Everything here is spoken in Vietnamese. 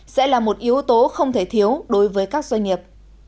sẽ là một yếu tố không thể thiếu đối với các doanh nghiệp